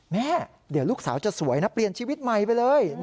แม่เดี๋ยวลูกสาวจะสวยนะเปลี่ยนชีวิตใหม่ไปเลย